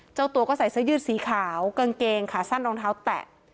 เจ้าตัวก็ใส่เสื้อยืดสีขาวกางเกงขาสั้นรองเท้าแตะ